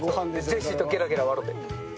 ジェシーとゲラゲラ笑って。